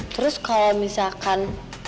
terus kalau misalkan